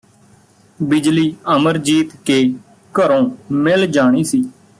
ਬਿਜਲੀ ਅਮਰਜੀਤ ਕੇ ਘਰੋਂ ਮਿਲ ਜਾਣੀ ਸੀ